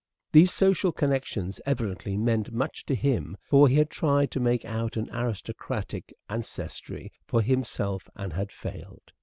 These social connections evidently meant much to him, for he had tried to make out an aristocratic ancestry for himself and had failed.